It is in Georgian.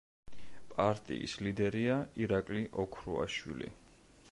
პარტიის ლიდერია ირაკლი ოქრუაშვილი.